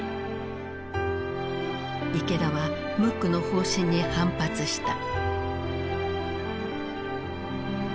池田はムックの方針に反発した。